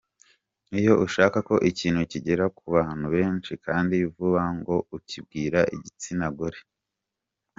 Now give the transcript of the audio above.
Iyo ushaka ko ikintu kigera ku bantu benshi kandi vuba ngo ukibwira igitsina gore.